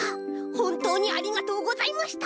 ほんとうにありがとうございました。